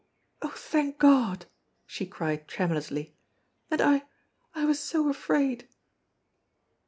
Oh, thank God!" she cried tremulously. "And I I was so afraid